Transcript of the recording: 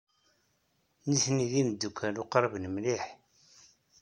Nitni d imeddukal uqriben mliḥ.